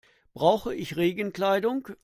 Brauche ich Regenkleidung?